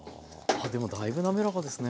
あっでもだいぶ滑らかですね。